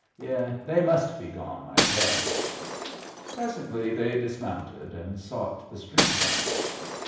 Yes, they must be gone, I guess." Presently they dismounted and sought the stream bank.